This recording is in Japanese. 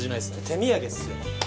手土産っすよ。